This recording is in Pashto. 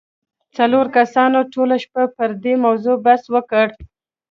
څلورو کسانو ټوله شپه پر دې موضوع بحث وکړ.